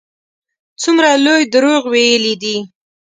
څومره لوی دروغ ویلي دي.